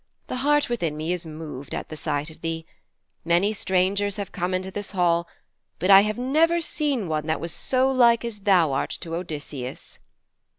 The heart within me is moved at the sight of thee. Many strangers have come into this hall, but I have never seen one that was so like as thou art to Odysseus.'